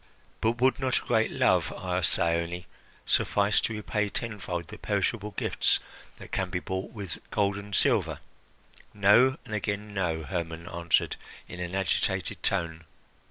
"But would not a great love," asked Thyone, "suffice to repay tenfold the perishable gifts that can be bought with gold and silver?" "No, and again no!" Hermon answered in an agitated tone.